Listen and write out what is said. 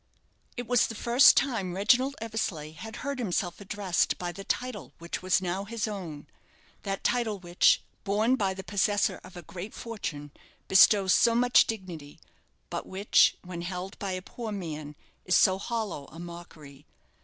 It was the first time Reginald Eversleigh had heard himself addressed by the title which was now his own that title which, borne by the possessor of a great fortune, bestows so much dignity; but which, when held by a poor man, is so hollow a mockery.